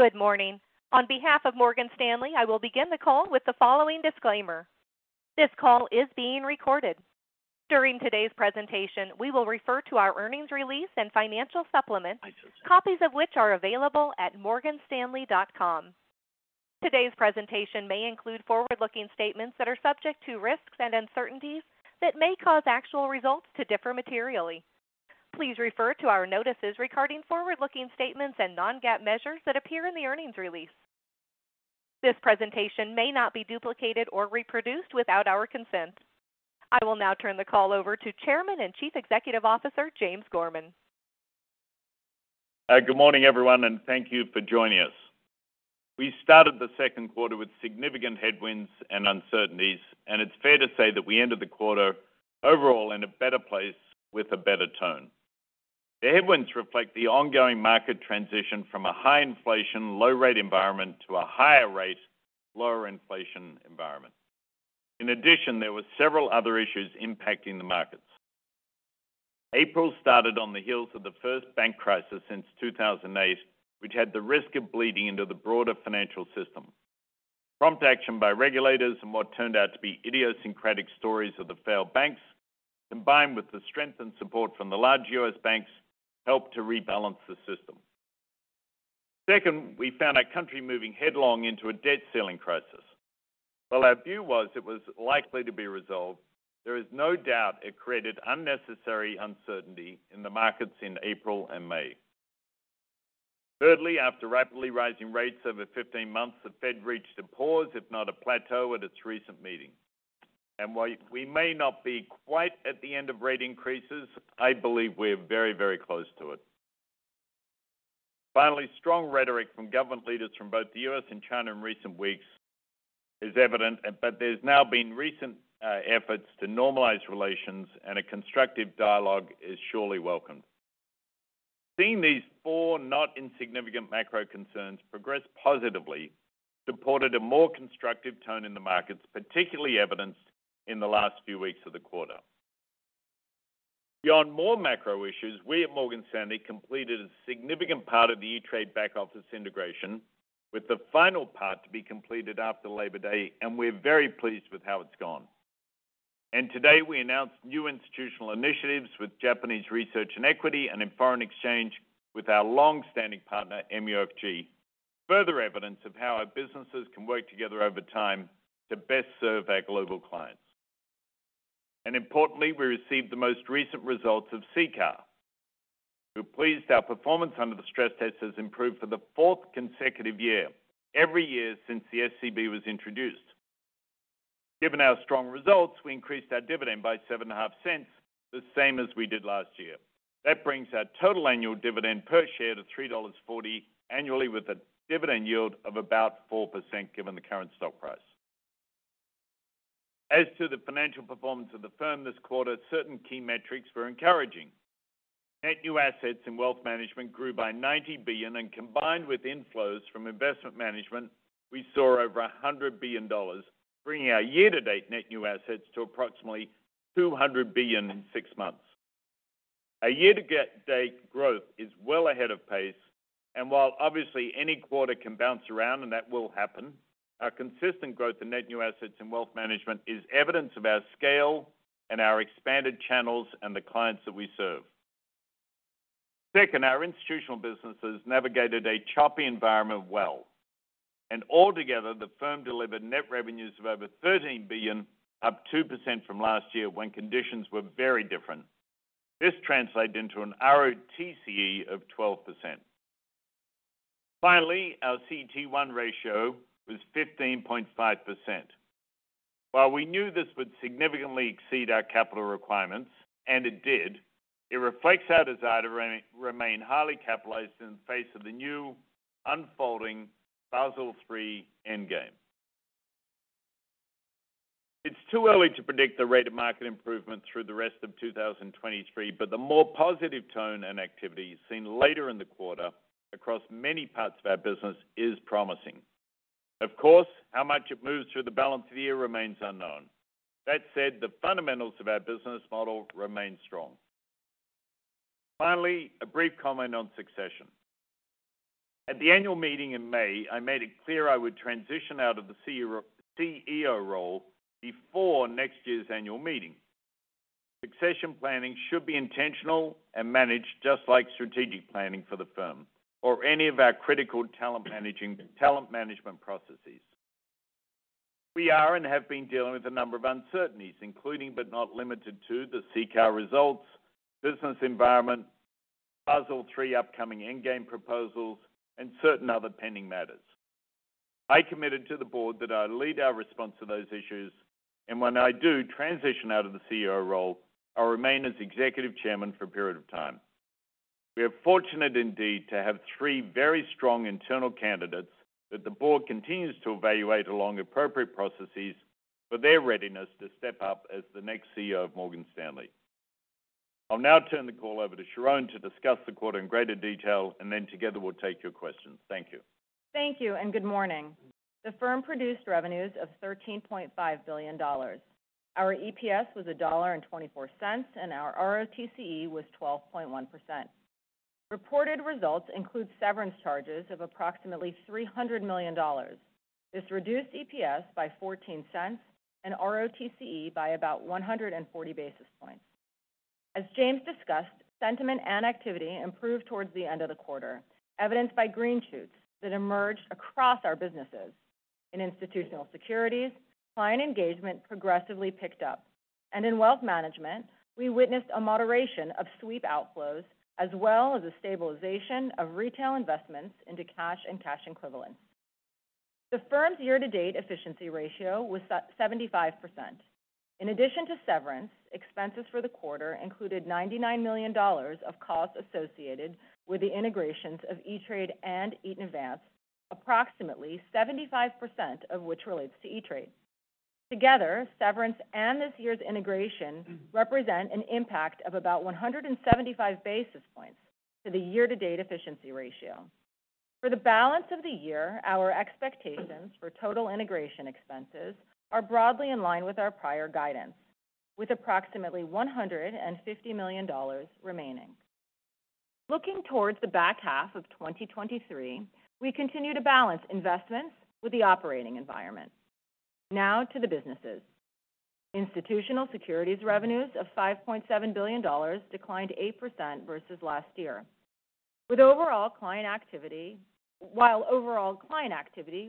Good morning. On behalf of Morgan Stanley, I will begin the call with the following disclaimer. This call is being recorded. During today's presentation, we will refer to our earnings release and financial supplements, copies of which are available at morganstanley.com. Today's presentation may include forward-looking statements that are subject to risks and uncertainties that may cause actual results to differ materially. Please refer to our notices regarding forward-looking statements and non-GAAP measures that appear in the earnings release. This presentation may not be duplicated or reproduced without our consent. I will now turn the call over to Chairman and Chief Executive Officer, James Gorman. Good morning, everyone, and thank you for joining us. We started the second quarter with significant headwinds and uncertainties, and it's fair to say that we ended the quarter overall in a better place with a better tone. The headwinds reflect the ongoing market transition from a high inflation, low-rate environment to a higher rate, lower inflation environment. In addition, there were several other issues impacting the markets. April started on the heels of the first bank crisis since 2008, which had the risk of bleeding into the broader financial system. Prompt action by regulators and what turned out to be idiosyncratic stories of the failed banks, combined with the strength and support from the large U.S. banks, helped to rebalance the system. Second, we found our country moving headlong into a debt ceiling crisis. While our view was it was likely to be resolved, there is no doubt it created unnecessary uncertainty in the markets in April and May. Thirdly, after rapidly rising rates over 15 months, the Fed reached a pause, if not a plateau, at its recent meeting. While we may not be quite at the end of rate increases, I believe we're very, very close to it. Finally, strong rhetoric from government leaders from both the U.S. and China in recent weeks is evident, but there's now been recent efforts to normalize relations, and a constructive dialogue is surely welcome. Seeing these four not insignificant macro concerns progress positively supported a more constructive tone in the markets, particularly evidenced in the last few weeks of the quarter. Beyond more macro issues, we at Morgan Stanley completed a significant part of the E*TRADE back office integration, with the final part to be completed after Labor Day, we're very pleased with how it's gone. Today, we announced new institutional initiatives with Japanese Research and Equity and in foreign exchange with our long-standing partner, MUFG. Further evidence of how our businesses can work together over time to best serve our global clients. Importantly, we received the most recent results of CCAR. We're pleased our performance under the stress test has improved for the fourth consecutive year, every year since the SCB was introduced. Given our strong results, we increased our dividend by $0.075, the same as we did last year. That brings our total annual dividend per share to $3.40 annually, with a dividend yield of about 4% given the current stock price. As to the financial performance of the firm this quarter, certain key metrics were encouraging. Net New Assets in Wealth Management grew by $90 billion, and combined with inflows from Investment Management, we saw over $100 billion, bringing our year-to-date Net New Assets to approximately $200 billion in six months. Our year-to-date growth is well ahead of pace, while obviously any quarter can bounce around, and that will happen, our consistent growth in Net New Assets and Wealth Management is evidence of our scale and our expanded channels and the clients that we serve. Second, our institutional businesses navigated a choppy environment well, altogether, the firm delivered net revenues of over $13 billion, up 2% from last year when conditions were very different. This translated into an ROTCE of 12%. Our CET1 ratio was 15.5%. While we knew this would significantly exceed our capital requirements, and it did, it reflects our desire to remain highly capitalized in the face of the new unfolding Basel III endgame. It's too early to predict the rate of market improvement through the rest of 2023, the more positive tone and activities seen later in the quarter across many parts of our business is promising. Of course, how much it moves through the balance of the year remains unknown. That said, the fundamentals of our business model remain strong. Finally, a brief comment on succession. At the annual meeting in May, I made it clear I would transition out of the CEO role before next year's annual meeting. Succession planning should be intentional and managed just like strategic planning for the firm or any of our critical talent management processes. We are and have been dealing with a number of uncertainties, including, but not limited to, the CCAR results, business environment, Basel III upcoming endgame proposals, and certain other pending matters. I committed to the Board that I lead our response to those issues, and when I do transition out of the CEO role, I'll remain as Executive Chairman for a period of time. We are fortunate indeed to have three very strong internal candidates that the Board continues to evaluate along appropriate processes for their readiness to step up as the next CEO of Morgan Stanley. I'll now turn the call over to Sharon to discuss the quarter in greater detail, and then together, we'll take your questions. Thank you. Thank you. Good morning. The firm produced revenues of $13.5 billion. Our EPS was $1.24, and our ROTCE was 12.1%. Reported results include severance charges of approximately $300 million. This reduced EPS by $0.14 and ROTCE by about 140 basis points. As James discussed, sentiment and activity improved towards the end of the quarter, evidenced by green shoots that emerged across our businesses. In institutional securities, client engagement progressively picked up, and in Wealth Management, we witnessed a moderation of sweep outflows, as well as a stabilization of retail investments into cash and cash equivalents. The firm's year-to-date efficiency ratio was at 75%. In addition to severance, expenses for the quarter included $99 million of costs associated with the integrations of E*TRADE and Eaton Vance, approximately 75% of which relates to E*TRADE. Together, severance and this year's integration represent an impact of about 175 basis points to the year-to-date efficiency ratio. For the balance of the year, our expectations for total integration expenses are broadly in line with our prior guidance, with approximately $150 million remaining. Looking towards the back half of 2023, we continue to balance investments with the operating environment. To the businesses. Institutional securities revenues of $5.7 billion declined 8% versus last year. While overall client activity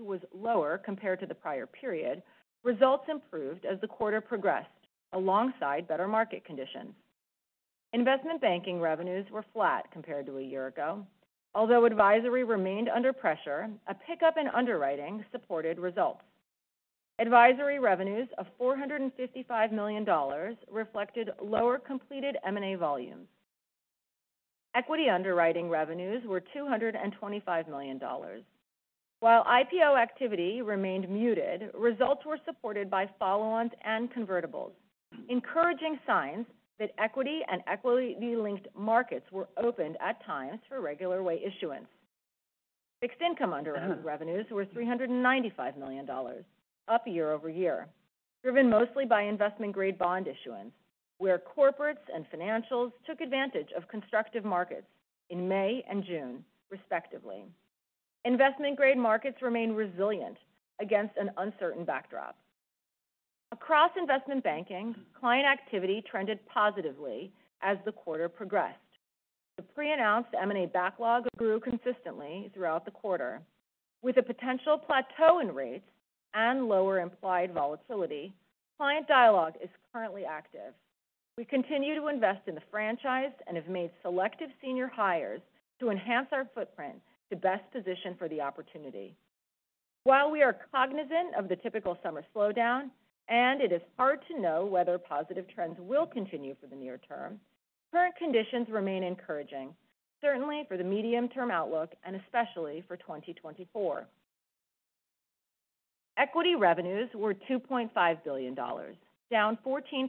was lower compared to the prior period, results improved as the quarter progressed alongside better market conditions. Investment banking revenues were flat compared to a year ago. Advisory remained under pressure, a pickup in underwriting supported results. Advisory revenues of $455 million reflected lower completed M&A volumes. Equity underwriting revenues were $225 million. While IPO activity remained muted, results were supported by follow-ons and convertibles, encouraging signs that equity and equity-linked markets were opened at times for regular way issuance. Fixed income underwriter revenues were $395 million, up year-over-year, driven mostly by investment-grade bond issuance, where corporates and financials took advantage of constructive markets in May and June, respectively. Investment-grade markets remain resilient against an uncertain backdrop. Across investment banking, client activity trended positively as the quarter progressed. The pre-announced M&A backlog grew consistently throughout the quarter. A potential plateau in rates and lower implied volatility, client dialogue is currently active. We continue to invest in the franchise and have made selective senior hires to enhance our footprint to best position for the opportunity. While we are cognizant of the typical summer slowdown, and it is hard to know whether positive trends will continue for the near term, current conditions remain encouraging, certainly for the medium-term outlook and especially for 2024. Equity revenues were $2.5 billion, down 14%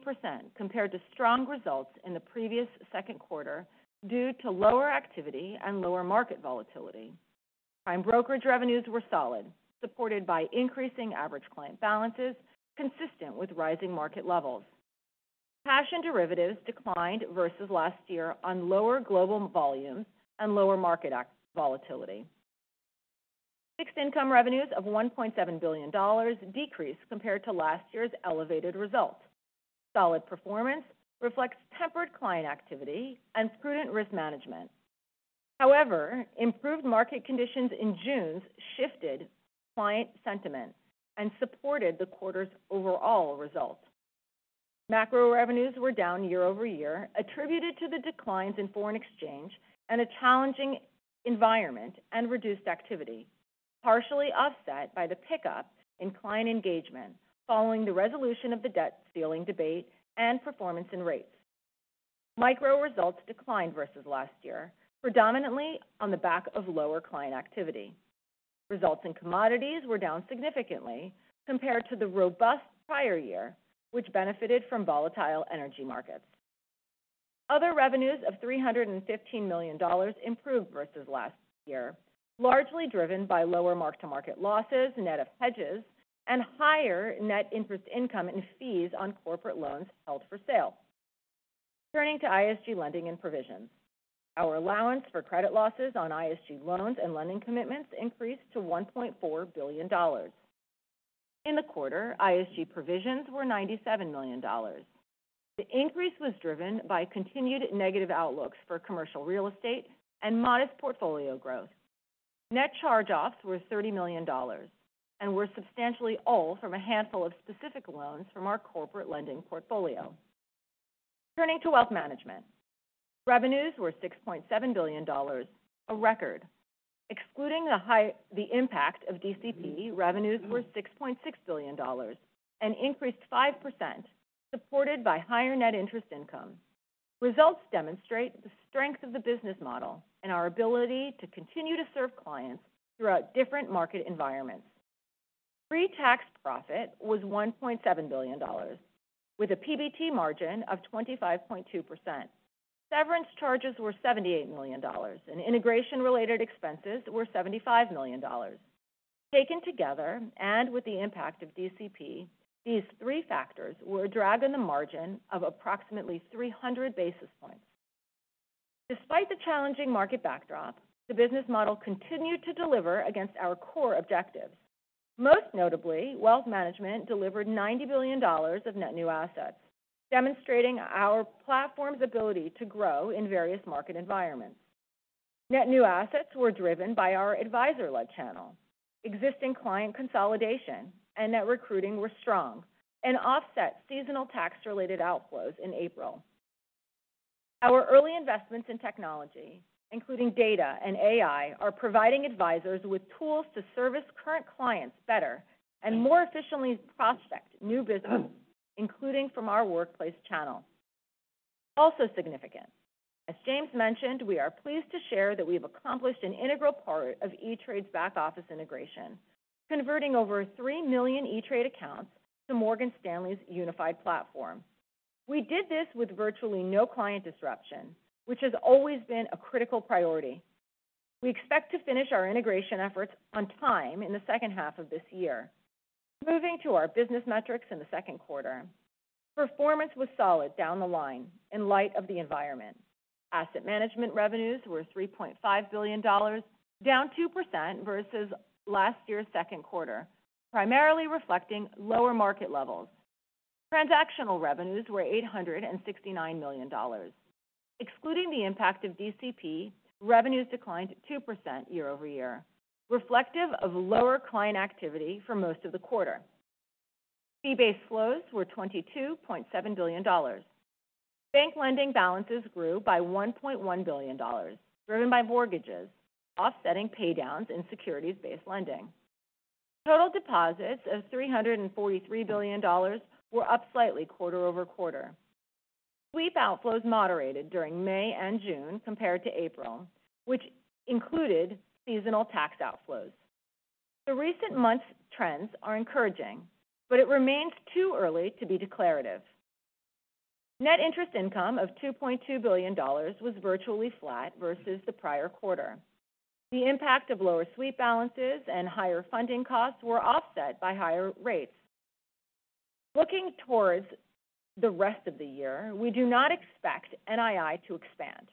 compared to strong results in the previous second quarter, due to lower activity and lower market volatility. Prime brokerage revenues were solid, supported by increasing average client balances, consistent with rising market levels. Cash and derivatives declined versus last year on lower global volumes and lower market volatility. Fixed income revenues of $1.7 billion decreased compared to last year's elevated results. Solid performance reflects tempered client activity and prudent risk management. Improved market conditions in June shifted client sentiment and supported the quarter's overall results. Macro revenues were down year-over-year, attributed to the declines in foreign exchange and a challenging environment and reduced activity, partially offset by the pickup in client engagement following the resolution of the debt ceiling debate and performance in rates. Micro results declined versus last year, predominantly on the back of lower client activity. Results in commodities were down significantly compared to the robust prior year, which benefited from volatile energy markets. Other revenues of $315 million improved versus last year, largely driven by lower mark-to-market losses net of hedges and higher net interest income and fees on corporate loans held for sale. Turning to ISG lending and provisions. Our allowance for credit losses on ISG loans and lending commitments increased to $1.4 billion. In the quarter, ISG provisions were $97 million. The increase was driven by continued negative outlooks for commercial real estate and modest portfolio growth. Net charge-offs were $30 million and were substantially all from a handful of specific loans from our corporate lending portfolio. Turning to Wealth Management. Revenues were $6.7 billion, a record. Excluding the impact of DCP, revenues were $6.6 billion and increased 5%, supported by higher net interest income. Results demonstrate the strength of the business model and our ability to continue to serve clients throughout different market environments. Pre-tax profit was $1.7 billion, with a PBT margin of 25.2%. Severance charges were $78 million, and integration-related expenses were $75 million. Taken together, and with the impact of DCP, these three factors were a drag on the margin of approximately 300 basis points. Despite the challenging market backdrop, the business model continued to deliver against our core objectives. Most notably, Wealth Management delivered $90 billion of Net New Assets, demonstrating our platform's ability to grow in various market environments. Net New Assets were driven by our advisor-led channel. Existing client consolidation and net recruiting were strong and offset seasonal tax-related outflows in April. Our early investments in technology, including data and AI, are providing advisors with tools to service current clients better and more efficiently prospect new business, including from our workplace channel. Also significant, as James mentioned, we are pleased to share that we have accomplished an integral part of E*TRADE's back-office integration, converting over three million E*TRADE accounts to Morgan Stanley's unified platform. We did this with virtually no client disruption, which has always been a critical priority. We expect to finish our integration efforts on time in the second half of this year. Moving to our business metrics in the second quarter. Performance was solid down the line in light of the environment. Asset management revenues were $3.5 billion, down 2% versus last year's second quarter, primarily reflecting lower market levels. Transactional revenues were $869 million. Excluding the impact of DCP, revenues declined 2% year-over-year, reflective of lower client activity for most of the quarter. Fee-based flows were $22.7 billion. Bank lending balances grew by $1.1 billion, driven by mortgages, offsetting pay downs in securities-based lending. Total deposits of $343 billion were up slightly quarter-over-quarter. Sweep outflows moderated during May and June compared to April, which included seasonal tax outflows. The recent months' trends are encouraging, but it remains too early to be declarative. Net interest income of $2.2 billion was virtually flat versus the prior quarter. The impact of lower sweep balances and higher funding costs were offset by higher rates. Looking towards the rest of the year, we do not expect NII to expand.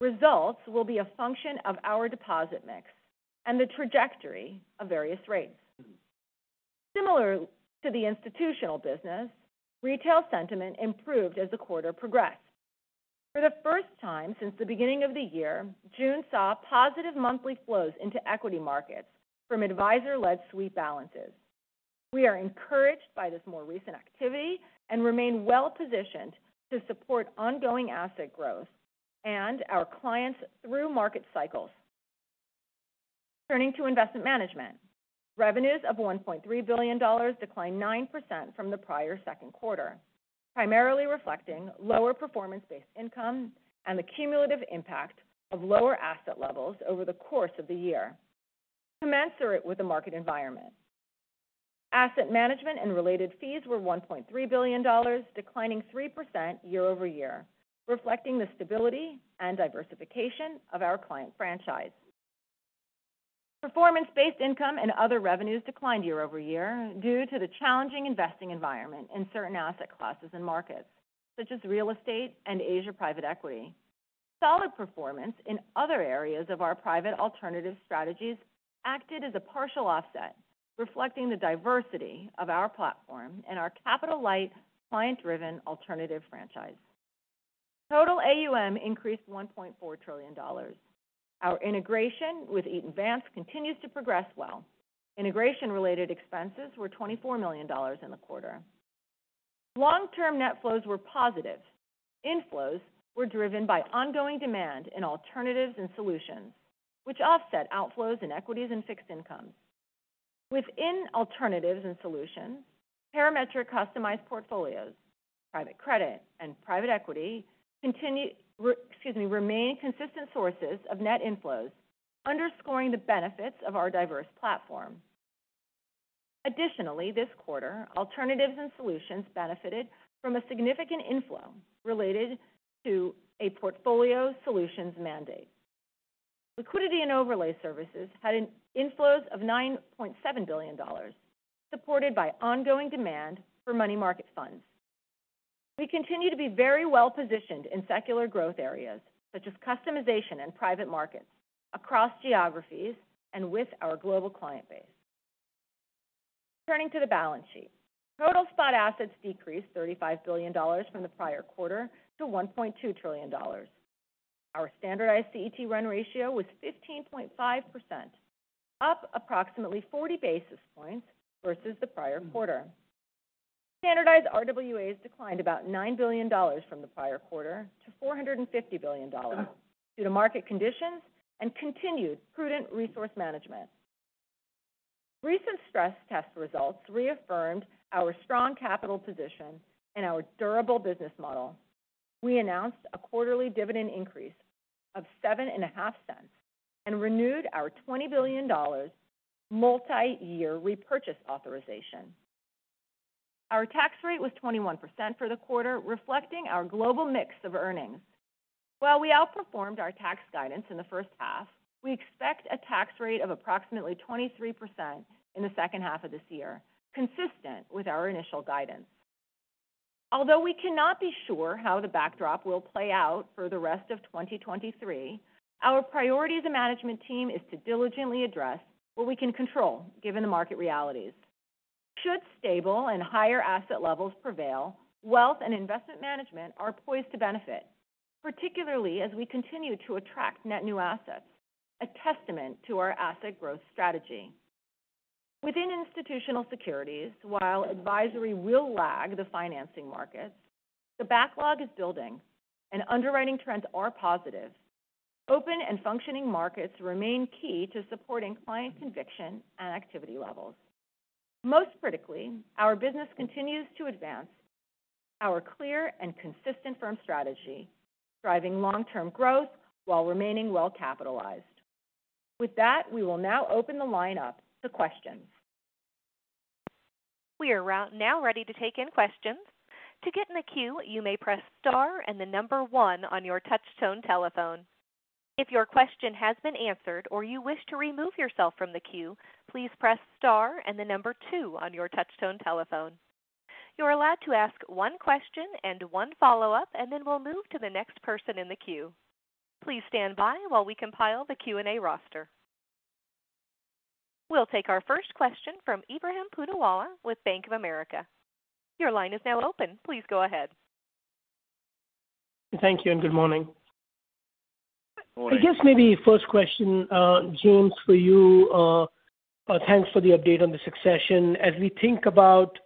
Results will be a function of our deposit mix and the trajectory of various rates. Similar to the institutional business, retail sentiment improved as the quarter progressed. For the first time since the beginning of the year, June saw positive monthly flows into equity markets from advisor-led sweep balances. We are encouraged by this more recent activity and remain well-positioned to support ongoing asset growth and our clients through market cycles. Turning to Investment Management. Revenues of $1.3 billion declined 9% from the prior second quarter, primarily reflecting lower performance-based income and the cumulative impact of lower asset levels over the course of the year, commensurate with the market environment. Asset management and related fees were $1.3 billion, declining 3% year-over-year, reflecting the stability and diversification of our client franchise. Performance-based income and other revenues declined year-over-year due to the challenging investing environment in certain asset classes and markets, such as real estate and Asia private equity. Solid performance in other areas of our private alternative strategies acted as a partial offset, reflecting the diversity of our platform and our capital-light, client-driven alternative franchise. Total AUM increased $1.4 trillion. Our integration with Eaton Vance continues to progress well. Integration-related expenses were $24 million in the quarter. Long-term net flows were positive. Inflows were driven by ongoing demand in alternatives and solutions, which offset outflows in equities and fixed income. Within alternatives and solutions, Parametric customized portfolios, private credit, and private equity remain consistent sources of net inflows, underscoring the benefits of our diverse platform. Additionally, this quarter, alternatives and solutions benefited from a significant inflow related to a portfolio solutions mandate. Liquidity and overlay services had an inflows of $9.7 billion, supported by ongoing demand for money market funds. We continue to be very well-positioned in secular growth areas, such as customization and private markets, across geographies and with our global client base. Turning to the balance sheet. Total spot assets decreased $35 billion from the prior quarter to $1.2 trillion. Our standardized CET1 ratio was 15.5%, up approximately 40 basis points versus the prior quarter. Standardized RWAs declined about $9 billion from the prior quarter to $450 billion, due to market conditions and continued prudent resource management. Recent stress test results reaffirmed our strong capital position and our durable business model. We announced a quarterly dividend increase of $0.075 and renewed our $20 billion multi-year repurchase authorization. Our tax rate was 21% for the quarter, reflecting our global mix of earnings. While we outperformed our tax guidance in the first half, we expect a tax rate of approximately 23% in the second half of this year, consistent with our initial guidance. Although we cannot be sure how the backdrop will play out for the rest of 2023, our priority as a management team is to diligently address what we can control, given the market realities. Should stable and higher asset levels prevail, wealth and investment management are poised to benefit, particularly as we continue to attract Net New Assets, a testament to our asset growth strategy. Within Institutional Securities, while advisory will lag the financing markets, the backlog is building and underwriting trends are positive. Open and functioning markets remain key to supporting client conviction and activity levels. Most critically, our business continues to advance our clear and consistent firm strategy, driving long-term growth while remaining well capitalized. With that, we will now open the line up to questions. We are now ready to take in questions. To get in the queue, you may press star and the number one on your touchtone telephone. If your question has been answered or you wish to remove yourself from the queue, please press star and the number two on your touchtone telephone. You're allowed to ask one question and one follow-up, and then we'll move to the next person in the queue. Please stand by while we compile the Q&A roster. We'll take our first question from Ebrahim Poonawala with Bank of America. Your line is now open. Please go ahead. Thank you and good morning. Good morning. I guess maybe first question, James, for you. Thanks for the update on the succession. As we think about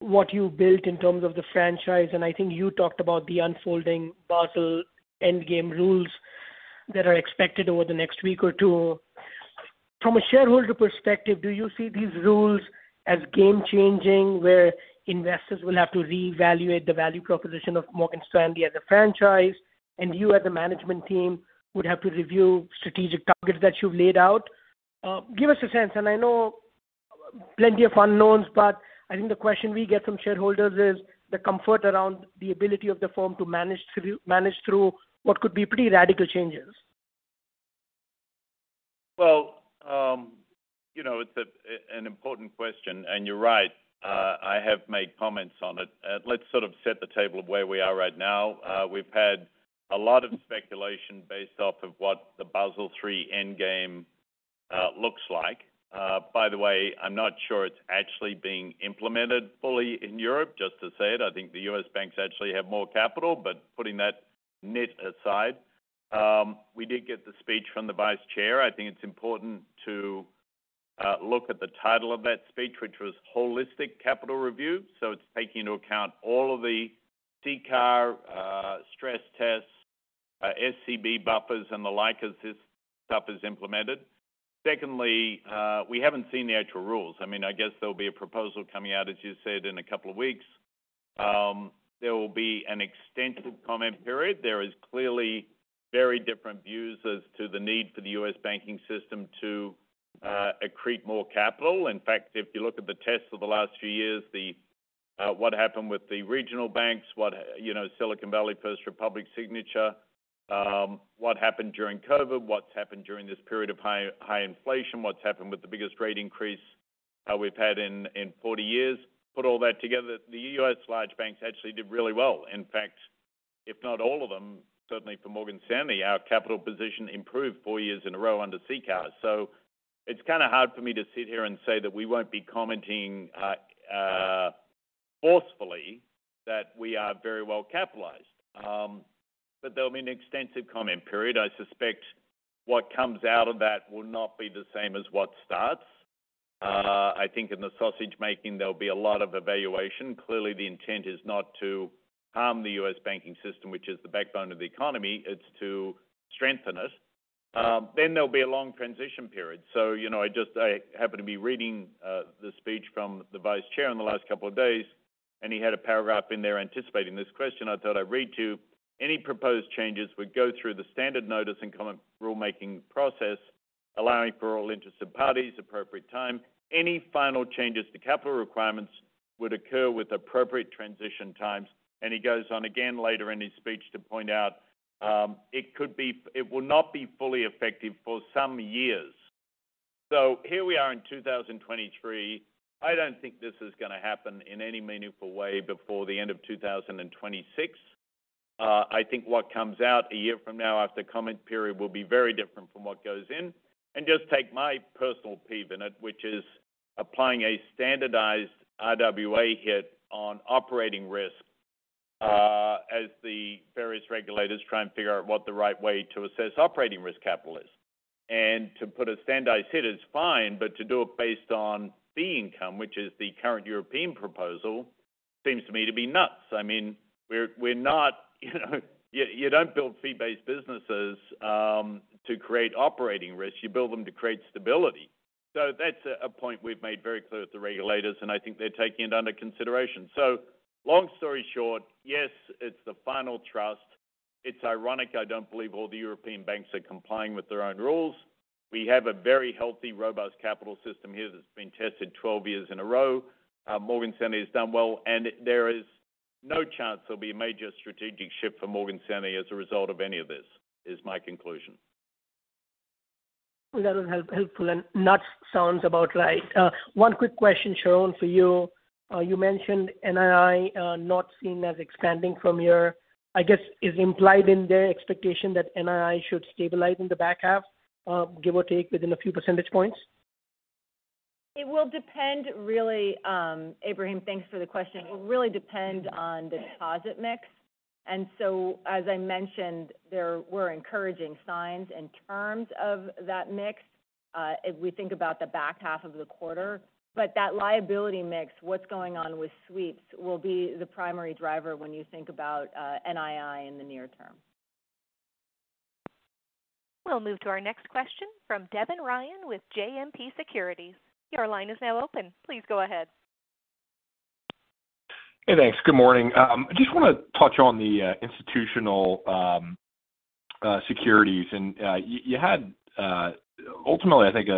what you built in terms of the franchise, I think you talked about the unfolding Basel endgame rules that are expected over the next week or two. From a shareholder perspective, do you see these rules as game changing, where investors will have to reevaluate the value proposition of Morgan Stanley as a franchise, and you as a management team, would have to review strategic targets that you've laid out? Give us a sense, and I know plenty of unknowns, but I think the question we get from shareholders is the comfort around the ability of the firm to manage through what could be pretty radical changes. You know, it's an important question, and you're right. I have made comments on it. Let's sort of set the table of where we are right now. We've had a lot of speculation based off of what the Basel III endgame looks like. By the way, I'm not sure it's actually being implemented fully in Europe, just to say it. I think the U.S. banks actually have more capital, but putting that nit aside, we did get the speech from the Vice Chair. I think it's important to look at the title of that speech, which was Holistic Capital Review. It's taking into account all of the CCAR stress tests, SCB buffers and the like, as this stuff is implemented. Secondly, we haven't seen the actual rules. I mean, I guess there'll be a proposal coming out, as you said, in a couple of weeks. There will be an extensive comment period. There is clearly very different views as to the need for the U.S. banking system to accrete more capital. In fact, if you look at the tests of the last few years, the what happened with the regional banks, what, you know, Silicon Valley, First Republic, Signature, what happened during COVID, what's happened during this period of high, high inflation, what's happened with the biggest rate increase, we've had in 40 years. Put all that together, the U.S. large banks actually did really well. In fact, if not all of them, certainly for Morgan Stanley, our capital position improved four years in a row under CCAR. It's kinda hard for me to sit here and say that we won't be commenting forcefully, that we are very well capitalized. There'll be an extensive comment period. I suspect what comes out of that will not be the same as what starts. I think in the sausage making, there'll be a lot of evaluation. Clearly, the intent is not to harm the U.S. banking system, which is the backbone of the economy. It's to strengthen it. There'll be a long transition period. You know, I just, I happened to be reading the speech from the Vice Chair in the last couple of days, and he had a paragraph in there anticipating this question. I thought I'd read to you. "Any proposed changes would go through the standard notice and comment rulemaking process, allowing for all interested parties appropriate time. Any final changes to capital requirements would occur with appropriate transition times." He goes on again later in his speech to point out, it will not be fully effective for some years. Here we are in 2023. I don't think this is gonna happen in any meaningful way before the end of 2026. I think what comes out a year from now, after comment period, will be very different from what goes in. Just take my personal peeve in it, which is applying a standardized RWA hit on operating risk, as the various regulators try and figure out what the right way to assess operating risk capital is. To put a standardized hit is fine, but to do it based on fee income, which is the current European proposal, seems to me to be nuts. I mean, we're not, you know, you don't build fee-based businesses to create operating risks. You build them to create stability. That's a point we've made very clear to the regulators, and I think they're taking it under consideration. Long story short, yes, it's the final trust. It's ironic, I don't believe all the European banks are complying with their own rules. We have a very healthy, robust capital system here that's been tested 12 years in a row. Morgan Stanley has done well, and there is no chance there'll be a major strategic shift for Morgan Stanley as a result of any of this, is my conclusion. Well, that is helpful, and that sounds about right. One quick question, Sharon, for you. You mentioned NII, not seen as expanding from your... I guess, is implied in the expectation that NII should stabilize in the back half, give or take within a few percentage points? It will depend, really, Ebrahim, thanks for the question. It will really depend on the deposit mix. As I mentioned, there were encouraging signs in terms of that mix, as we think about the back half of the quarter. That liability mix, what's going on with sweeps, will be the primary driver when you think about NII in the near term. We'll move to our next question from Devin Ryan with JMP Securities. Your line is now open. Please go ahead. Hey, thanks. Good morning. I just want to touch on the institutional securities. You had ultimately, I think,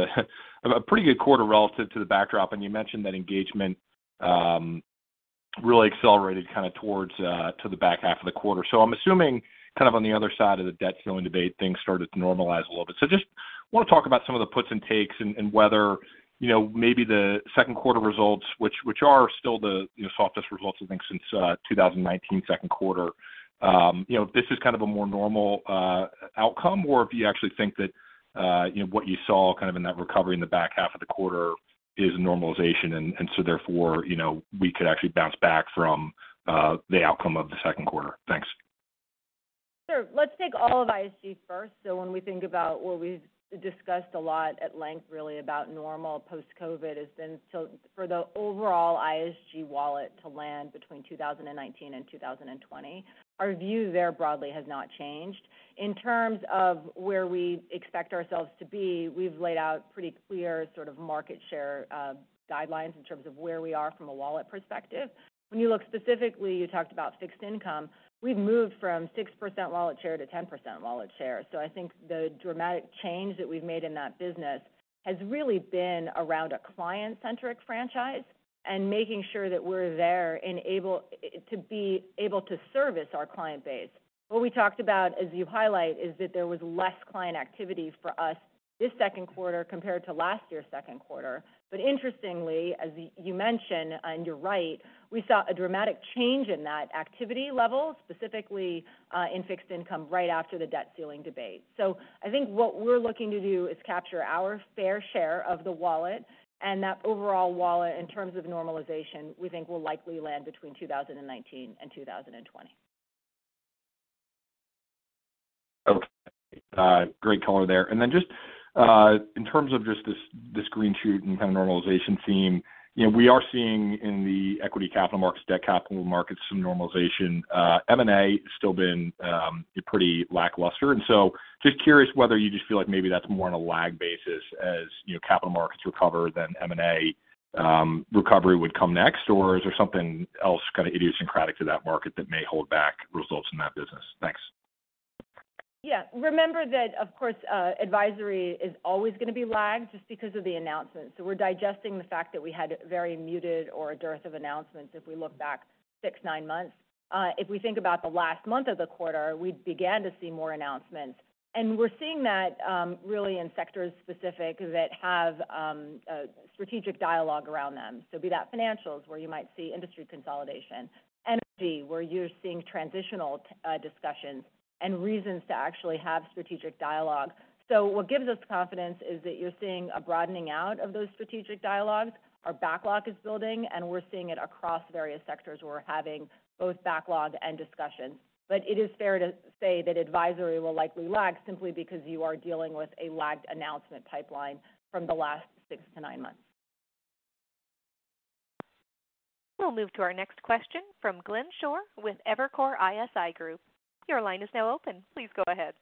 a pretty good quarter relative to the backdrop, and you mentioned that engagement really accelerated kind of towards the back half of the quarter. I'm assuming kind of on the other side of the debt ceiling debate, things started to normalize a little bit. Just want to talk about some of the puts and takes and whether, you know, maybe the second quarter results, which are still the, you know, softest results, I think, since 2019, second quarter. You know, this is kind of a more normal outcome, or if you actually think that, you know, what you saw kind of in that recovery in the back half of the quarter is normalization, and so therefore, you know, we could actually bounce back from the outcome of the second quarter. Thanks. Sure. Let's take all of ISG first. When we think about what we've discussed a lot at length, really about normal post-COVID, has been to, for the overall ISG wallet to land between 2019 and 2020. Our view there broadly has not changed. In terms of where we expect ourselves to be, we've laid out pretty clear sort of market share guidelines in terms of where we are from a wallet perspective. When you look specifically, you talked about fixed income, we've moved from 6% wallet share to 10% wallet share. I think the dramatic change that we've made in that business has really been around a client-centric franchise and making sure that we're there and able to be able to service our client base. What we talked about, as you highlight, is that there was less client activity for us this second quarter compared to last year's second quarter. Interestingly, as you mentioned, and you're right, we saw a dramatic change in that activity level, specifically, in fixed income, right after the debt ceiling debate. I think what we're looking to do is capture our fair share of the wallet, and that overall wallet, in terms of normalization, we think will likely land between 2019 and 2020. Okay, great color there. Just, in terms of just this green shoot and kind of normalization theme, you know, we are seeing in the equity capital markets, debt capital markets, some normalization. M&A has still been pretty lackluster, just curious whether you just feel like maybe that's more on a lag basis as, you know, capital markets recover than M&A, recovery would come next, or is there something else kind of idiosyncratic to that market that may hold back results in that business? Thanks. Yeah. Remember that, of course, advisory is always going to be lagged just because of the announcement. We're digesting the fact that we had very muted or a dearth of announcements if we look back six, nine months. If we think about the last month of the quarter, we began to see more announcements, and we're seeing that really in sectors specific that have a strategic dialogue around them. Be that financials, where you might see industry consolidation, energy, where you're seeing transitional discussions and reasons to actually have strategic dialogue. What gives us confidence is that you're seeing a broadening out of those strategic dialogues. Our backlog is building, and we're seeing it across various sectors, we're having both backlog and discussion. it is fair to say that advisory will likely lag simply because you are dealing with a lagged announcement pipeline from the last six to nine months. We'll move to our next question from Glenn Schorr with Evercore ISI Group. Your line is now open. Please go ahead.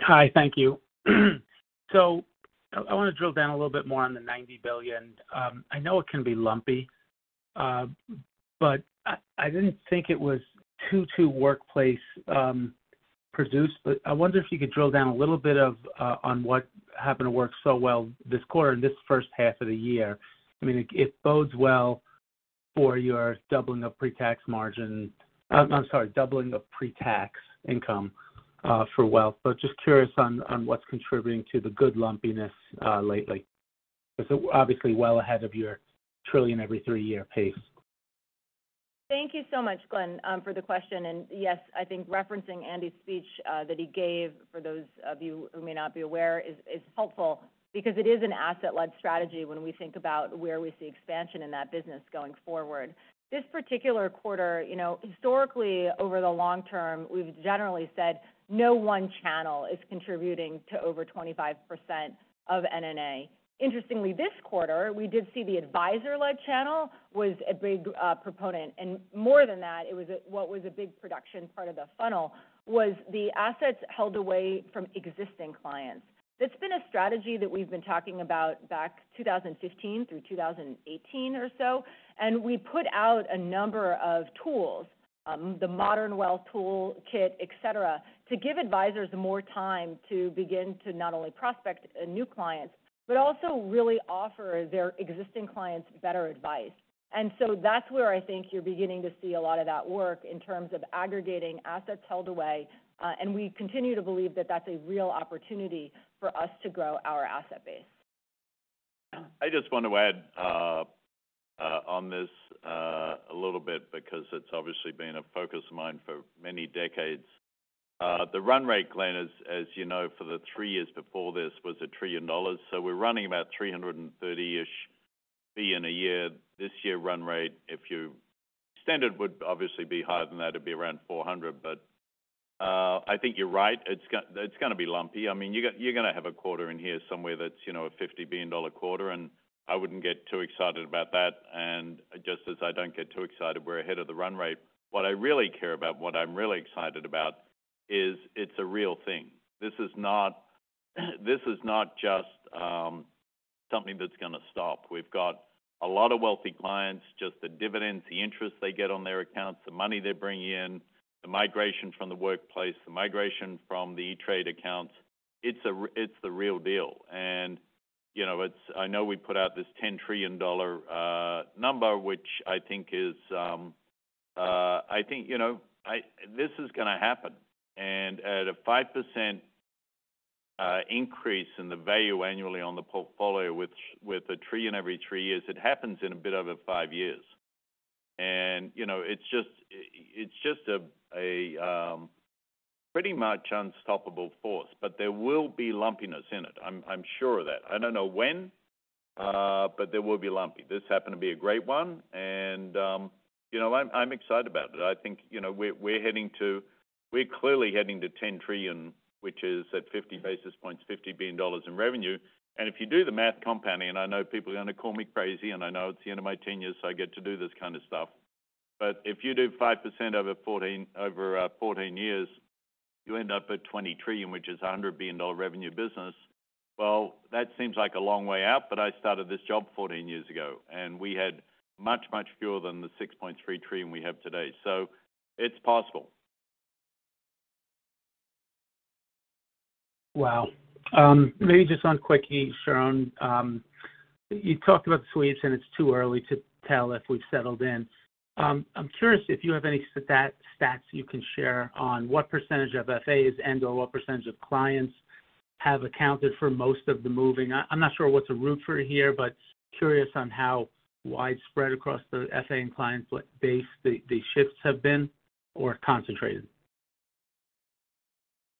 Hi, thank you. I want to drill down a little bit more on the $90 billion. I know it can be lumpy, but I didn't think it was two workplace produced, but I wonder if you could drill down a little bit of on what happened to work so well this quarter, in this first half of the year. It bodes well for your doubling of pre-tax margin... I'm sorry, doubling of pre-tax income for wealth. Just curious on what's contributing to the good lumpiness lately. It's obviously well ahead of your $1 trillion every three-year pace. Thank you so much, Glenn, for the question, and yes, I think referencing Andy's speech that he gave, for those of you who may not be aware, is helpful because it is an asset-led strategy when we think about where we see expansion in that business going forward. This particular quarter, you know, historically, over the long term, we've generally said no one channel is contributing to over 25% of NNA. Interestingly, this quarter, we did see the advisor-led channel was a big proponent, and more than that, it was a big production part of the funnel was the assets held away from existing clients. That's been a strategy that we've been talking about back 2015 through 2018 or so, and we put out a number of tools, the modern wealth toolkit, et cetera, to give advisors more time to begin to not only prospect, new clients, but also really offer their existing clients better advice. That's where I think you're beginning to see a lot of that work in terms of aggregating assets held away, and we continue to believe that that's a real opportunity for us to grow our asset base. I just want to add on this a little bit because it's obviously been a focus of mine for many decades. The run rate, Glenn, as you know, for the three years before this was $1 trillion. We're running about $330-ish billion in a year. This year, run rate, if standard would obviously be higher than that, it'd be around $400 billion. I think you're right. It's gonna be lumpy. I mean, you're gonna have a quarter in here somewhere that's, you know, a $50 billion quarter, and I wouldn't get too excited about that. Just as I don't get too excited, we're ahead of the run rate. What I really care about, what I'm really excited about is it's a real thing. This is not, this is not just something that's gonna stop. We've got a lot of wealthy clients, just the dividends, the interest they get on their accounts, the money they bring in, the migration from the workplace, the migration from the E*TRADE accounts. It's the real deal. You know, I know we put out this $10 trillion number, which I think is, I think, you know, this is gonna happen. At a 5% increase in the value annually on the portfolio, which with a $1 trillion every three years, it happens in a bit over five years. You know, it's just a pretty much unstoppable force, but there will be lumpiness in it. I'm sure of that. I don't know when, but there will be lumpy. This happened to be a great one, you know, I'm excited about it. I think, you know, we're clearly heading to $10 trillion, which is at 50 basis points, $50 billion in revenue. If you do the math compounding, and I know people are gonna call me crazy, and I know it's the end of my tenure, I get to do this kind of stuff. If you do 5% over 14, over 14 years, you end up at $20 trillion, which is a $100 billion revenue business. That seems like a long way out, but I started this job 14 years ago, and we had much fewer than the $6.3 trillion we have today. It's possible. Wow. Maybe just one quickie, Sharon. You talked about the sweeps, it's too early to tell if we've settled in. I'm curious if you have any stats you can share on what percent of FAs and/or what percent of clients have accounted for most of the moving? I'm not sure what to root for here, but curious on how widespread across the FA and clients, like, base, the shifts have been or concentrated.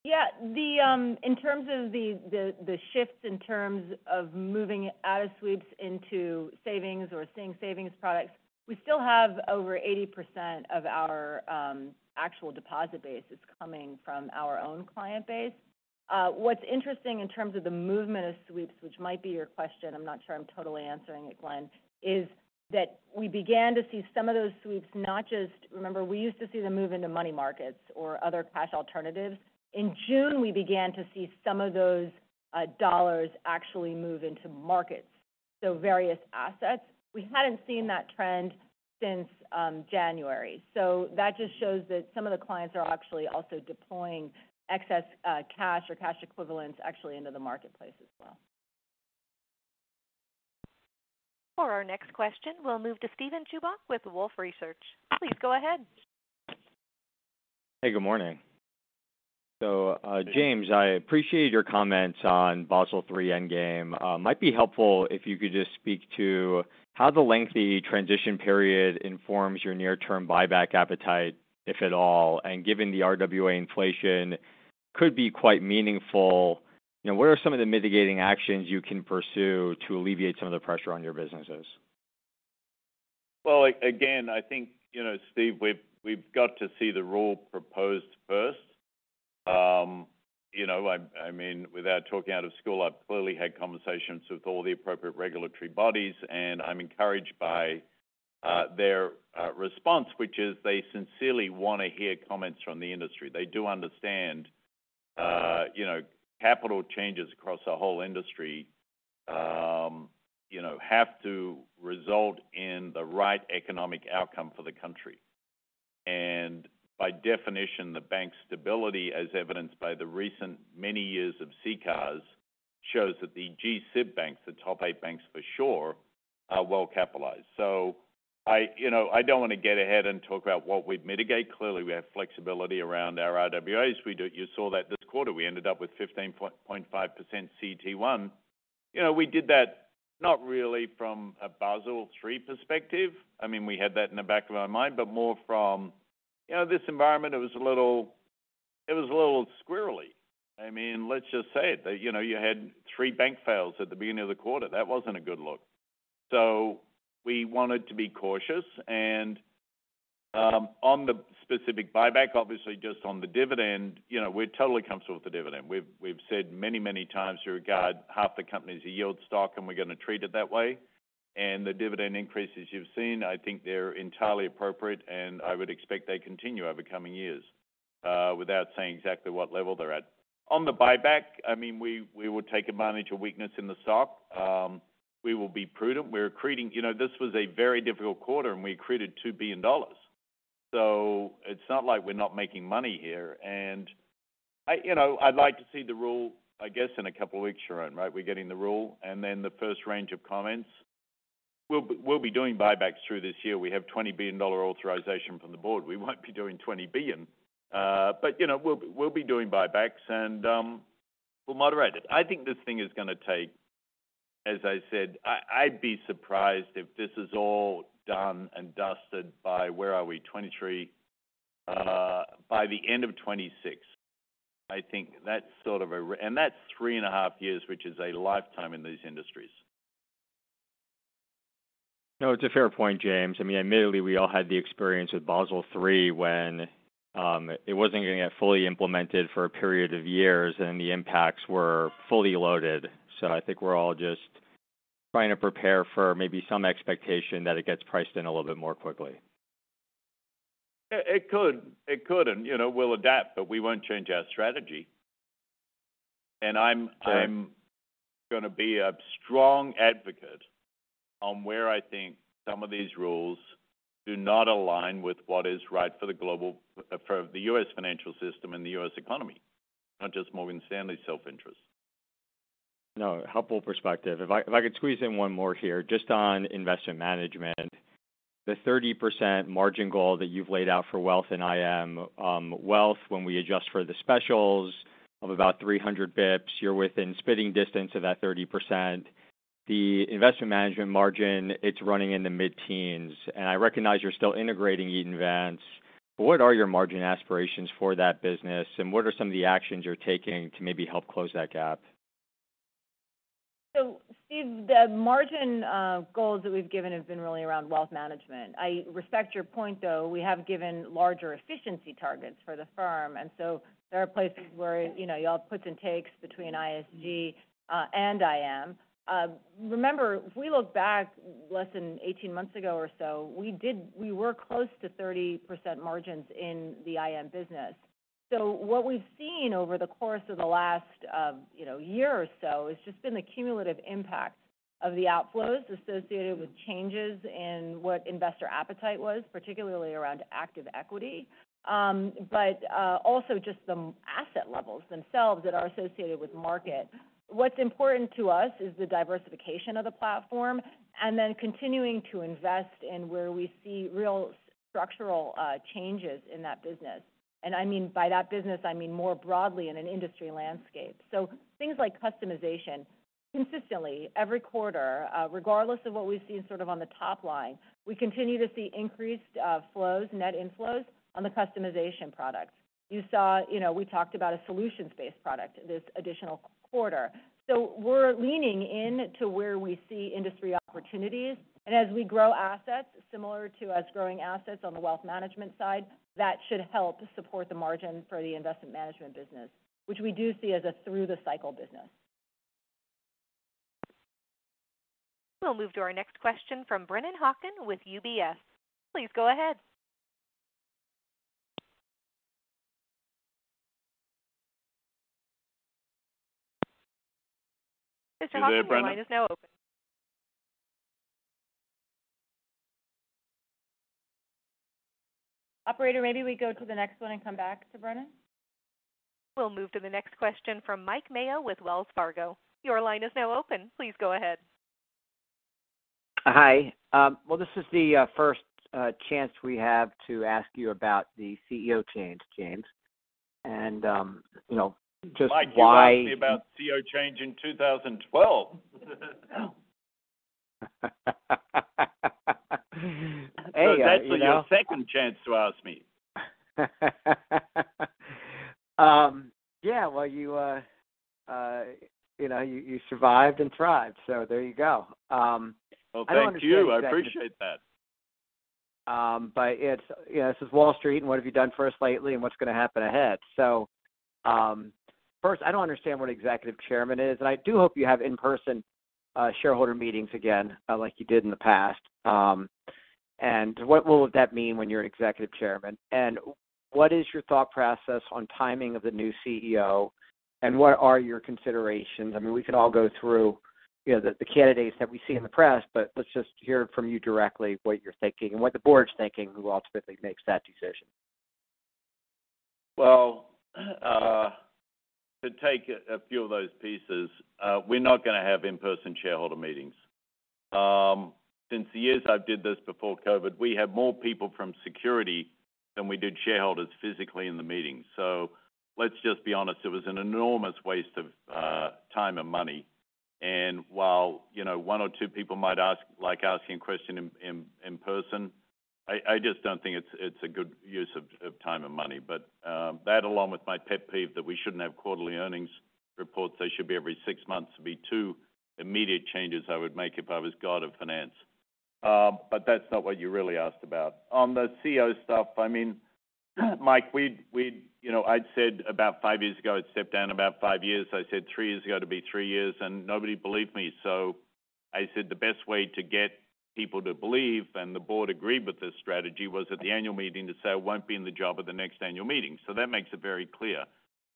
Yeah, in terms of the shifts in terms of moving out of sweeps into savings or seeing savings products, we still have over 80% of our actual deposit base is coming from our own client base. What's interesting in terms of the movement of sweeps, which might be your question, I'm not sure I'm totally answering it, Glenn, is that we began to see some of those sweeps, not just. Remember, we used to see them move into money markets or other cash alternatives. In June, we began to see some of those dollars actually move into markets, so various assets. We hadn't seen that trend since January. That just shows that some of the clients are actually also deploying excess cash or cash equivalents actually into the marketplace as well. For our next question, we'll move to Steven Chubak with Wolfe Research. Please go ahead. Hey, good morning. James, I appreciate your comments on Basel III endgame. Might be helpful if you could just speak to how the lengthy transition period informs your near-term buyback appetite, if at all, and given the RWA inflation could be quite meaningful, you know, what are some of the mitigating actions you can pursue to alleviate some of the pressure on your businesses? Well, again, I think, you know, Steve, we've got to see the rule proposed first. You know, I mean, without talking out of school, I've clearly had conversations with all the appropriate regulatory bodies, I'm encouraged by their response, which is they sincerely want to hear comments from the industry. They do understand, you know, capital changes across the whole industry, you know, have to result in the right economic outcome for the country. By definition, the bank stability, as evidenced by the recent many years of CCAR, shows that the G-SIB banks, the top eight banks for sure, are well capitalized. I, you know, I don't want to get ahead and talk about what we'd mitigate. Clearly, we have flexibility around our RWAs. You saw that this quarter, we ended up with 15.5% CET1. You know, we did that not really from a Basel III perspective. I mean, we had that in the back of our mind, but more from... You know, this environment, it was a little squirrely. I mean, let's just say it. You know, you had three bank fails at the beginning of the quarter. That wasn't a good look. We wanted to be cautious. On the specific buyback, obviously, just on the dividend, you know, we're totally comfortable with the dividend. We've said many, many times we regard half the company as a yield stock, and we're going to treat it that way. The dividend increases you've seen, I think they're entirely appropriate, and I would expect they continue over coming years, without saying exactly what level they're at. On the buyback, I mean, we would take advantage of weakness in the stock. We will be prudent. You know, this was a very difficult quarter, and we accreted $2 billion. It's not like we're not making money here. I, you know, I'd like to see the rule, I guess, in a couple of weeks, Sharon, right? We're getting the rule and then the first range of comments. We'll be doing buybacks through this year. We have $20 billion authorization from the Board. We won't be doing $20 billion, but, you know, we'll be doing buybacks, and we'll moderate it. I think this thing is gonna take, as I said, I'd be surprised if this is all done and dusted by, where are we? 2023, by the end of 2026. I think that's sort of and that's three and a half years, which is a lifetime in these industries. No, it's a fair point, James. I mean, admittedly, we all had the experience with Basel III when it wasn't going to get fully implemented for a period of years, and the impacts were fully loaded. I think we're all just trying to prepare for maybe some expectation that it gets priced in a little bit more quickly. It could. It could, you know, we'll adapt, but we won't change our strategy. Sure. I'm gonna be a strong advocate on where I think some of these rules do not align with what is right for the global, for the U.S. financial system and the U.S. economy, not just Morgan Stanley's self-interest. No, helpful perspective. If I could squeeze in one more here, just on Investment Management. The 30% margin goal that you've laid out for Wealth and IM, Wealth, when we adjust for the specials of about 300 basis points, you're within spitting distance of that 30%. The Investment Management margin, it's running in the mid-teens, I recognize you're still integrating Eaton Vance. What are your margin aspirations for that business? What are some of the actions you're taking to maybe help close that gap? Steve, the margin goals that we've given have been really around Wealth Management. I respect your point, though. We have given larger efficiency targets for the firm, there are places where, you know, you all puts and takes between ISG and IM. Remember, if we look back less than 18 months ago or so, we were close to 30% margins in the IM business. What we've seen over the course of the last, you know, year or so is just been the cumulative impact of the outflows associated with changes in what investor appetite was, particularly around active equity, but also just some asset levels themselves that are associated with market. What's important to us is the diversification of the platform, and then continuing to invest in where we see real structural changes in that business. I mean, by that business, I mean more broadly in an industry landscape. Things like customization. Consistently, every quarter, regardless of what we've seen sort of on the top line, we continue to see increased flows, net inflows on the customization products. You saw, you know, we talked about a solutions-based product this additional quarter. We're leaning in to where we see industry opportunities, and as we grow assets, similar to us growing assets on the Wealth Management side, that should help support the margin for the Investment Management business, which we do see as a through the cycle business. We'll move to our next question from Brennan Hawken with UBS. Please go ahead. Hey, Brennan, your line is now open. Operator, maybe we go to the next one and come back to Brennan. We'll move to the next question from Mike Mayo with Wells Fargo. Your line is now open. Please go ahead. Hi. Well, this is the first chance we have to ask you about the CEO change, James. You know, just Mike, you asked me about CEO change in 2012. Hey. That's your second chance to ask me. Yeah, well, you know, you survived and thrived, so there you go. I don't understand- Well, thank you. I appreciate that. It's, you know, this is Wall Street, and what have you done for us lately, and what's going to happen ahead? First, I don't understand what Executive Chairman is, and I do hope you have in-person shareholder meetings again, like you did in the past. What will that mean when you're Executive Chairman? What is your thought process on timing of the new CEO, and what are your considerations? I mean, we could all go through, you know, the candidates that we see in the press, but let's just hear from you directly what you're thinking and what the Board's thinking, who ultimately makes that decision. Well, to take a few of those pieces, we're not gonna have in-person shareholder meetings. Since the years I did this before COVID, we had more people from security than we did shareholders physically in the meeting. Let's just be honest, it was an enormous waste of time and money. While, you know, one or two people might ask, like, asking a question in person, I just don't think it's a good use of time and money. That, along with my pet peeve, that we shouldn't have quarterly earnings reports, they should be every six months, would be two immediate changes I would make if I was God of finance. That's not what you really asked about. On the CEO stuff, I mean, Mike, we'd... You know, I'd said about five years ago, I'd step down about five years. I said three years ago, it'd be three years, and nobody believed me. I said, "The best way to get people to believe," and the Board agreed with this strategy, "was at the annual meeting, to say, I won't be in the job at the next annual meeting." That makes it very clear.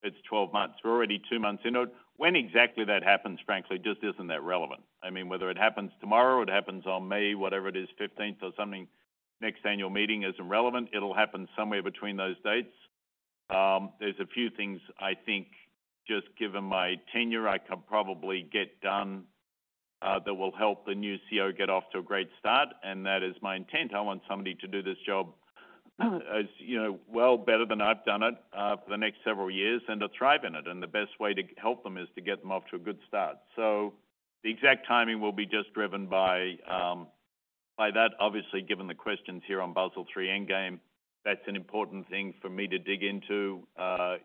It's 12 months. We're already two months in it. When exactly that happens, frankly, just isn't that relevant. I mean, whether it happens tomorrow or it happens on May, whatever it is, 15th or something, next annual meeting isn't relevant. It'll happen somewhere between those dates. There's a few things I think, just given my tenure, I can probably get done that will help the new CEO get off to a great start, and that is my intent. I want somebody to do this job, as, you know, well better than I've done it, for the next several years and to thrive in it. The best way to help them is to get them off to a good start. The exact timing will be just driven by that, obviously, given the questions here on Basel III endgame, that's an important thing for me to dig into,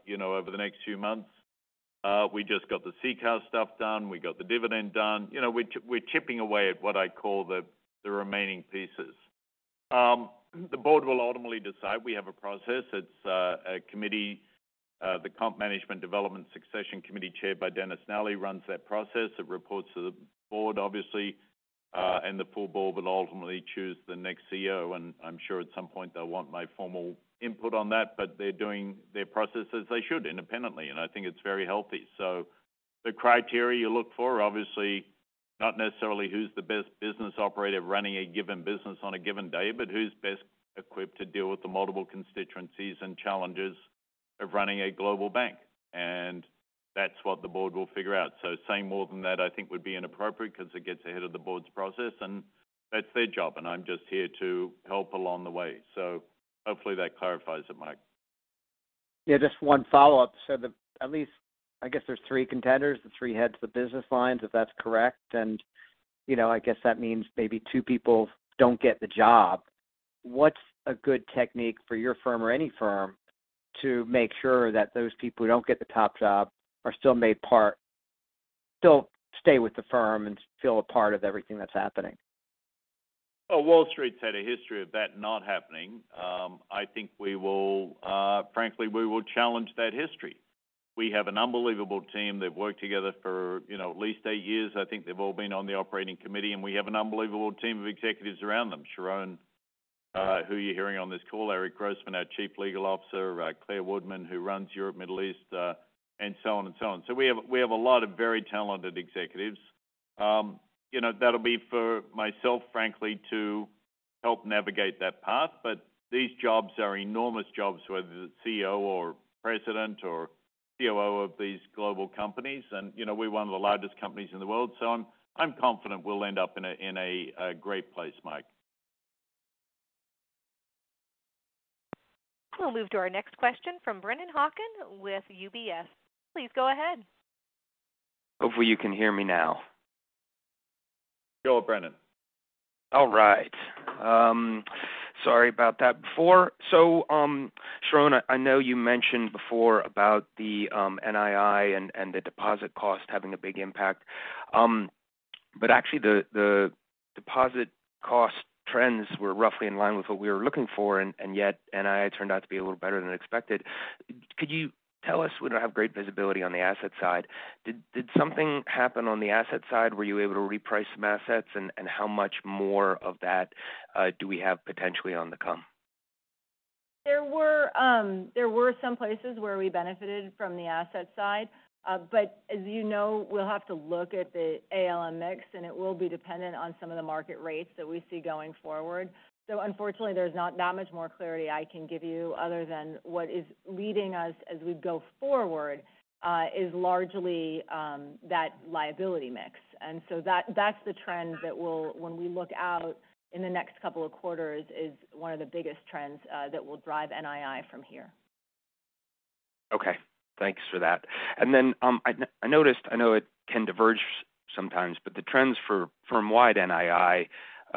you know, over the next few months. We just got the CCAR stuff done. We got the dividend done. You know, we're chipping away at what I call the remaining pieces. The Board will ultimately decide. We have a process. It's a committee, the Compensation, Management Development and Succession Committee, chaired by Dennis Nally, runs that process. It reports to the Board, obviously, and the full Board will ultimately choose the next CEO, and I'm sure at some point they'll want my formal input on that, but they're doing their processes they should independently, and I think it's very healthy. The criteria you look for, obviously, not necessarily who's the best business operator running a given business on a given day, but who's best equipped to deal with the multiple constituencies and challenges of running a global bank. That's what the Board will figure out. Saying more than that, I think would be inappropriate because it gets ahead of the Board's process, and that's their job, and I'm just here to help along the way. Hopefully that clarifies it, Mike. Yeah, just one follow-up. At least I guess there's three contenders, the three heads of the business lines, if that's correct. You know, I guess that means maybe two people don't get the job. What's a good technique for your firm or any firm to make sure that those people who don't get the top job are still stay with the firm and feel a part of everything that's happening? Wall Street's had a history of that not happening. I think we will, frankly, we will challenge that history. We have an unbelievable team. They've worked together for, you know, at least eight years. I think they've all been on the operating committee, and we have an unbelievable team of executives around them. Sharon, who you're hearing on this call, Eric Grossman, our Chief Legal Officer, Clare Woodman, who runs Europe, Middle East, and so on and so on. We have a lot of very talented executives. You know, that'll be for myself, frankly, to help navigate that path. These jobs are enormous jobs, whether it's CEO or president or COO of these global companies, and, you know, we're one of the largest companies in the world, so I'm confident we'll end up in a, in a great place, Mike. We'll move to our next question from Brennan Hawken with UBS. Please go ahead. Hopefully, you can hear me now. Sure, Brennan. All right. Sorry about that before. Sharon, I know you mentioned before about the NII and the deposit cost having a big impact. Actually, the deposit cost trends were roughly in line with what we were looking for, and yet NII turned out to be a little better than expected. Could you tell us, we don't have great visibility on the asset side, did something happen on the asset side? Were you able to reprice some assets, and how much more of that do we have potentially on the come? There were some places where we benefited from the asset side. As you know, we'll have to look at the ALM mix, and it will be dependent on some of the market rates that we see going forward. Unfortunately, there's not that much more clarity I can give you other than what is leading us as we go forward, is largely that liability mix. That, that's the trend that when we look out in the next couple of quarters, is one of the biggest trends that will drive NII from here. Okay, thanks for that. I noticed, I know it can diverge sometimes, but the trends for firm-wide NII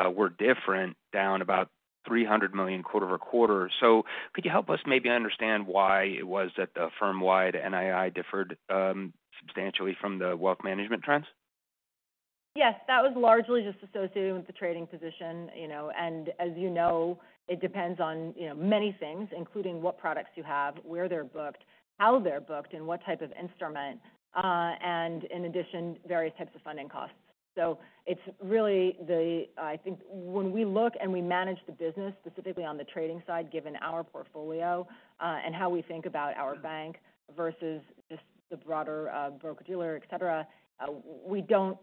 were different, down about $300 million quarter-over-quarter. Could you help us maybe understand why it was that the firm-wide NII differed substantially from the Wealth Management trends? Yes, that was largely just associated with the trading position, you know, and as you know, it depends on, you know, many things, including what products you have, where they're booked, how they're booked, and what type of instrument, and in addition, various types of funding costs. It's really the I think when we look and we manage the business, specifically on the trading side, given our portfolio, and how we think about our bank versus just the broader broker-dealer, et cetera, we don't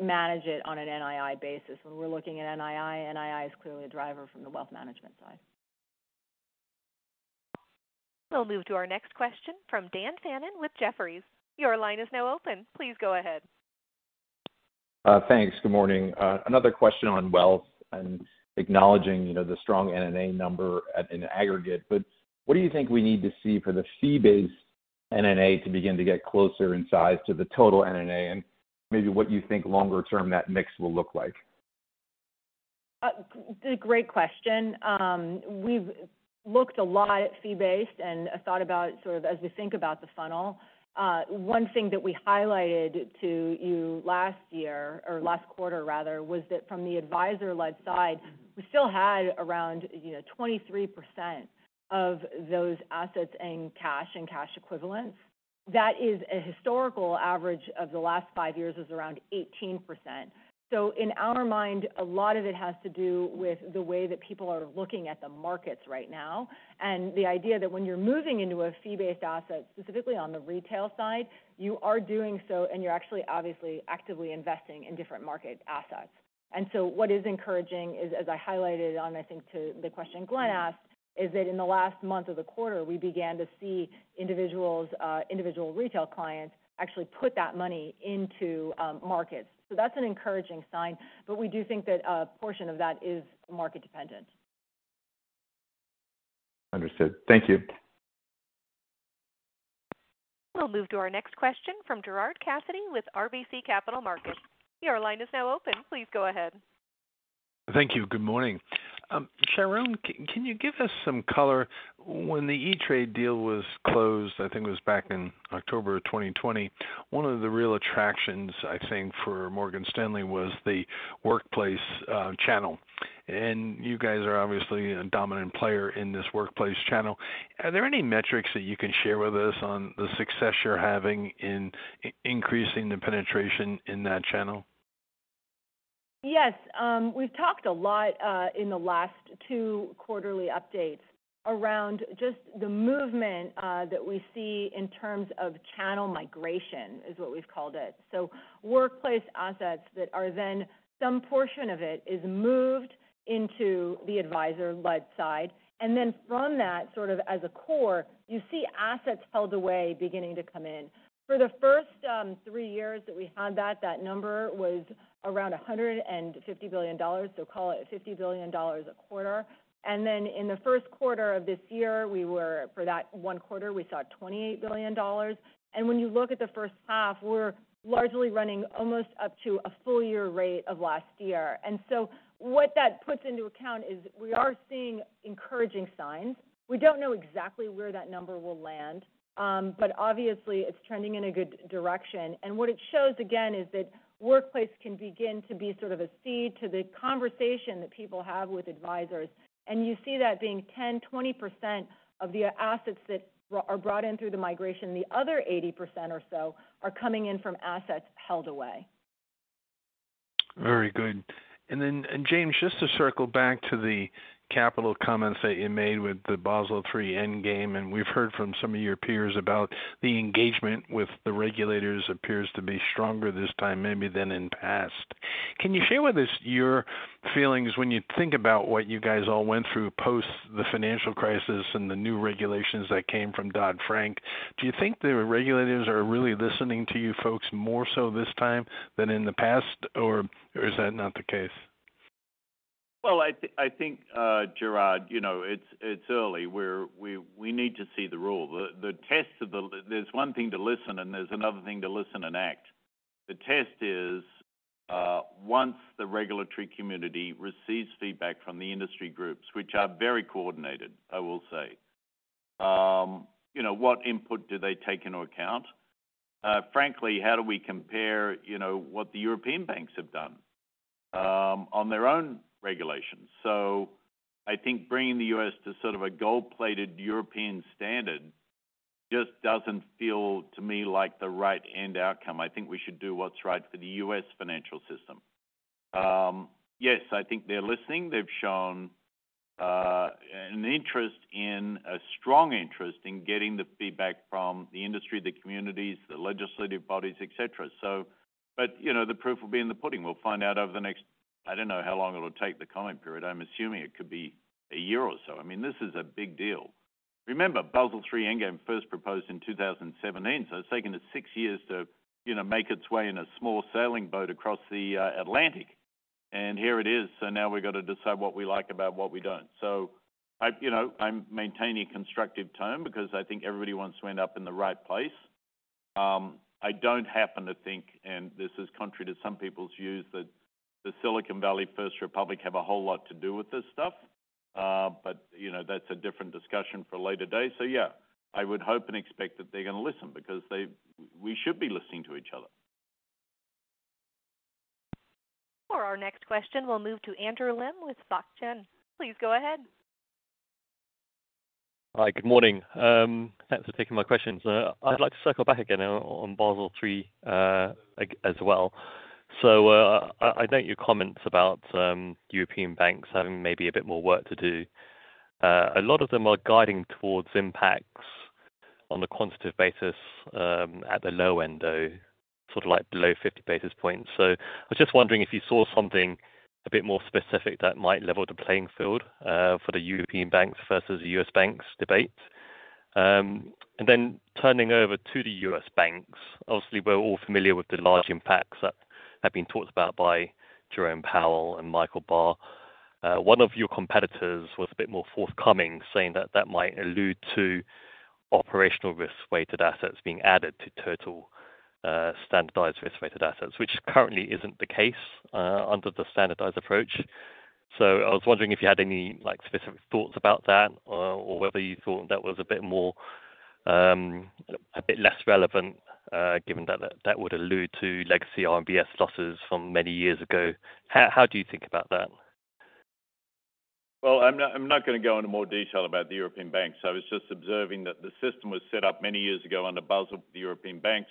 manage it on an NII basis. When we're looking at NII is clearly a driver from the Wealth Management side. We'll move to our next question from Dan Fannon with Jefferies. Your line is now open. Please go ahead. Thanks. Good morning. Another question on Wealth and acknowledging, you know, the strong NNA number at an aggregate, but what do you think we need to see for the fee-based NNA to begin to get closer in size to the total NNA, and maybe what you think longer term that mix will look like? Great question. We've looked a lot at fee-based and thought about sort of as we think about the funnel. One thing that we highlighted to you last year, or last quarter rather, was that from the advisor-led side, we still had around, you know, 23% of those assets in cash and cash equivalents. That is a historical average of the last five years, is around 18%. In our mind, a lot of it has to do with the way that people are looking at the markets right now, and the idea that when you're moving into a fee-based asset, specifically on the retail side, you are doing so, and you're actually obviously actively investing in different market assets. What is encouraging is, as I highlighted on, I think, to the question Glenn asked, is that in the last month of the quarter, we began to see individuals, individual retail clients actually put that money into markets. That's an encouraging sign, but we do think that a portion of that is market dependent. Understood. Thank you. We'll move to our next question from Gerard Cassidy with RBC Capital Markets. Your line is now open. Please go ahead. Thank you. Good morning. Sharon, can you give us some color? When the E*TRADE deal was closed, I think it was back in October of 2020, one of the real attractions, I think, for Morgan Stanley was the workplace channel. You guys are obviously a dominant player in this workplace channel. Are there any metrics that you can share with us on the success you're having in increasing the penetration in that channel? Yes, we've talked a lot in the last two quarterly updates around just the movement that we see in terms of channel migration, is what we've called it. Workplace assets that are then some portion of it is moved into the advisor-led side. From that, sort of as a core, you see assets held away beginning to come in. For the first three years that we had that number was around $150 billion, so call it $50 billion a quarter. In the first quarter of this year, for that one quarter, we saw $28 billion. When you look at the first half, we're largely running almost up to a full year rate of last year. What that puts into account is we are seeing encouraging signs. We don't know exactly where that number will land, but obviously, it's trending in a good direction. What it shows, again, is that workplace can begin to be sort of a seed to the conversation that people have with advisors, and you see that being 10%, 20% of the assets that are brought in through the migration. The other 80% or so are coming in from assets held away. Very good. James, just to circle back to the capital comments that you made with the Basel III endgame, we've heard from some of your peers about the engagement with the regulators appears to be stronger this time maybe than in past. Can you share with us your feelings when you think about what you guys all went through post the financial crisis and the new regulations that came from Dodd-Frank? Do you think the regulators are really listening to you folks more so this time than in the past, or is that not the case? Well, I think, Gerard, you know, it's early. We need to see the rule. There's one thing to listen, and there's another thing to listen and act. The test is, once the regulatory community receives feedback from the industry groups, which are very coordinated, I will say, you know, what input do they take into account? Frankly, how do we compare, you know, what the European banks have done on their own regulations? I think bringing the U.S. to sort of a gold-plated European standard just doesn't feel, to me, like the right end outcome. I think we should do what's right for the U.S. financial system. Yes, I think they're listening. They've shown an interest in, a strong interest in getting the feedback from the industry, the communities, the legislative bodies, et cetera. You know, the proof will be in the pudding. We'll find out over the next, I don't know how long it'll take, the comment period. I'm assuming it could be a year or so. I mean, this is a big deal. Remember, Basel III endgame first proposed in 2017, so it's taken it six years to, you know, make its way in a small sailing boat across the Atlantic. Here it is. Now we've got to decide what we like about it and what we don't. I, you know, I'm maintaining a constructive tone because I think everybody wants to end up in the right place. I don't happen to think, and this is contrary to some people's views, that the Silicon Valley First Republic have a whole lot to do with this stuff. You know, that's a different discussion for a later day. Yeah, I would hope and expect that they're going to listen because they, we should be listening to each other. For our next question, we'll move to Andrew Lim with SocGen. Please go ahead. Hi, good morning. Thanks for taking my questions. I'd like to circle back again on Basel III as well. I note your comments about European banks having maybe a bit more work to do. A lot of them are guiding towards impacts on the quantitative basis at the low end, though, sort of like below 50 basis points. I was just wondering if you saw something a bit more specific that might level the playing field for the European banks versus the U.S. banks debate. Turning over to the U.S. banks, obviously, we're all familiar with the large impacts that have been talked about by Jerome Powell and Michael Barr. One of your competitors was a bit more forthcoming, saying that that might allude to operational risk-weighted assets being added to total standardized risk-weighted assets, which currently isn't the case under the standardized approach. I was wondering if you had any, like, specific thoughts about that or whether you thought that was a bit more a bit less relevant, given that that would allude to legacy RMBS losses from many years ago. How do you think about that? I'm not going to go into more detail about the European Banks. I was just observing that the system was set up many years ago under Basel, the European Banks,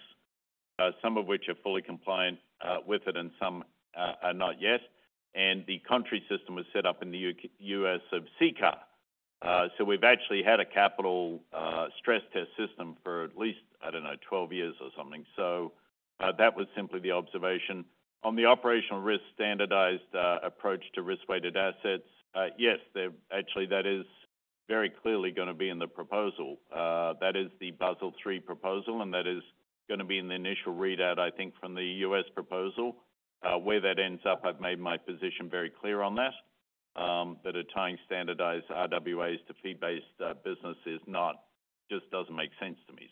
some of which are fully compliant with it and some are not yet. The country system was set up in the U.K.-U.S. of CCAR. We've actually had a capital stress test system for at least, I don't know, 12 years or something. That was simply the observation. On the operational risk-standardized approach to Risk-Weighted Assets, yes, they've, actually, that is very clearly going to be in the proposal. That is the Basel III proposal, and that is going to be in the initial readout, I think, from the U.S. proposal. Where that ends up, I've made my position very clear on that tying standardized RWAs to fee-based business is not, just doesn't make sense to me.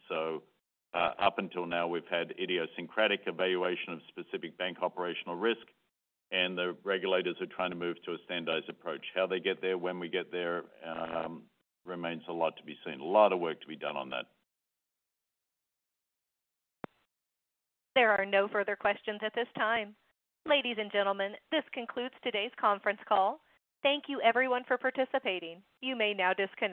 Up until now, we've had idiosyncratic evaluation of specific bank operational risk, and the regulators are trying to move to a standardized approach. How they get there, when we get there, remains a lot to be seen. A lot of work to be done on that. There are no further questions at this time. Ladies and gentlemen, this concludes today's conference call. Thank you, everyone, for participating. You may now disconnect.